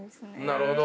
なるほど。